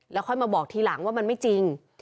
แล้วค่อยมาบอกทีหลังว่ามันไม่จริง